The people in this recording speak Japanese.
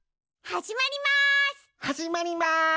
はじまります！